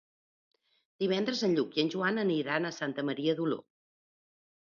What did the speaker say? Divendres en Lluc i en Joan aniran a Santa Maria d'Oló.